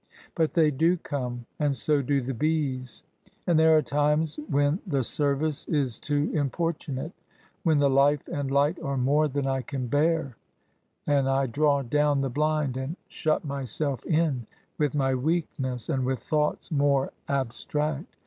But they do come, — and so do the bees : and there are times when the service is too importunate, — when the life and light are more than I can bear, and I draw down the blind, and shut myself in with my weakness, and with thoughts more ab stract.